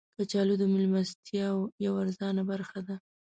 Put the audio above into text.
کچالو د میلمستیاو یوه ارزانه برخه ده